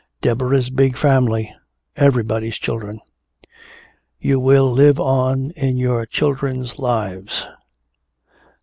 Deborah's big family! Everybody's children! "You will live on in our children's lives."